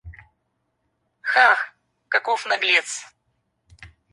Хах, каков наглец!